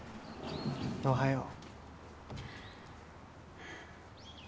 おはよう。